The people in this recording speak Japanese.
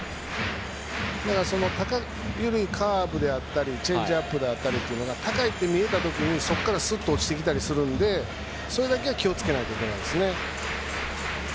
緩いカーブやチェンジアップが高いって見えたときに、そこからすっと落ちてきたりするのでそれだけは気をつけないといけないですね。